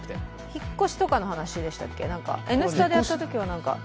引っ越しとかの話でしたっけ？